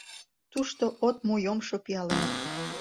Тушто от му йомшо пиалем.